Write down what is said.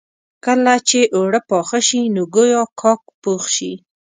کله چې اوړه پاخه شي نو ګويا کاک پوخ شي.